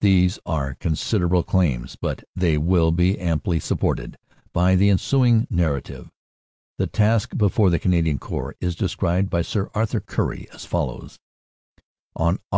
These are consider able claims but they will be amply supported by the ensuing narrative. The task before the Canadian Corps is described by Sir Arthur Currie as follows : "On Aug.